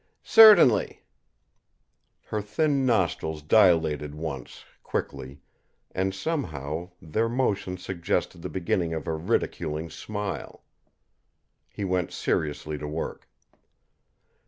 "Certainly." Her thin nostrils dilated once, quickly, and somehow their motion suggested the beginning of a ridiculing smile. He went seriously to work.